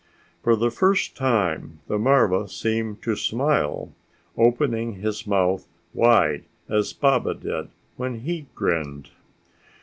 For the first time the marva seemed to smile, opening his mouth wide as Baba did when he grinned.